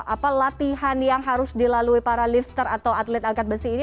apa latihan yang harus dilalui para lifter atau atlet angkat besi ini